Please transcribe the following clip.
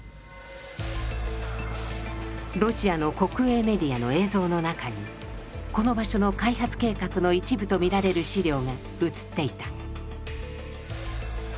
ロシアの国営メディアの映像の中にこの場所の開発計画の一部と見られる資料が映っていた。